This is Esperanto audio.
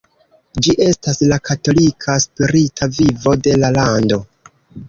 Ĝi estas la katolika spirita vivo de la lando.